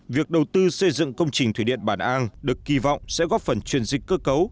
việc đầu tư xây dựng công trình thủy điện bản an được kỳ vọng sẽ góp phần truyền dịch cơ cấu